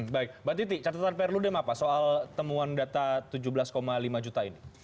baik mbak titi catatan perludem apa soal temuan data tujuh belas lima juta ini